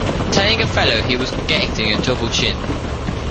Telling a fellow he was getting a double chin!